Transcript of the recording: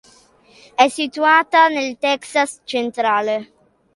È situata nel Texas centrale.